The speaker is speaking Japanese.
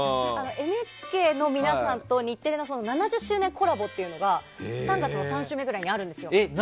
ＮＨＫの皆さんと日テレの７０周年コラボっていうのが３月の３週目ぐらいにあるんですよ。